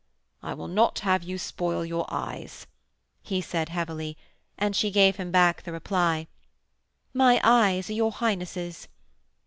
'I will not have you spoil your eyes,' he said heavily, and she gave him back the reply: 'My eyes are your Highness'.'